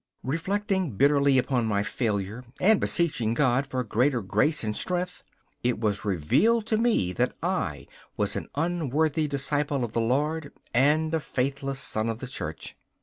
Reflecting bitterly upon my failure, and beseeching God for greater grace and strength, it was revealed to me that I was an unworthy disciple of the Lord and a faithless son of the Church.